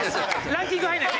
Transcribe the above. ランキング入らない。